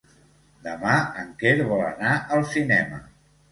Demà en Quel vol anar al cinema.